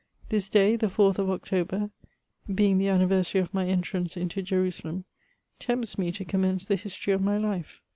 This day, the 4th of October, being the anniversary of my entrance into Jerusalem, tempts me to commence the history of my life.